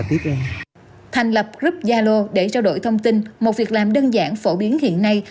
thành lập group yalo để trao đổi thông tin một việc làm đơn giản phổ biến hiện nay